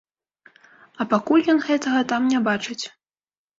А пакуль ён гэтага там не бачыць.